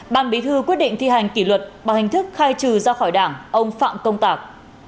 ban bí thư quyết định thi hành kỷ luật bằng hình thức khai trừ ra khỏi đảng ông phạm công tạc